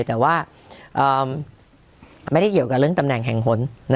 แต่ว่าไม่ได้เกี่ยวกับเรื่องตำแหน่งแห่งหน